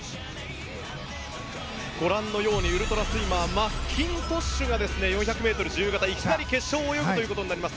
ご覧のようにウルトラスイマーマッキントッシュが４００ｍ自由形でいきなり決勝を泳ぐとなります。